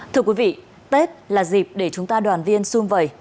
thưa quý vị tết là dịp để chúng ta đoàn viên xung vầy